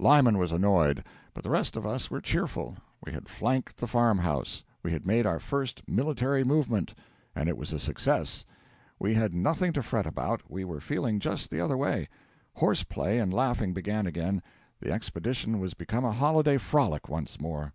Lyman was annoyed, but the rest of us were cheerful; we had flanked the farm house, we had made our first military movement, and it was a success; we had nothing to fret about, we were feeling just the other way. Horse play and laughing began again; the expedition was become a holiday frolic once more.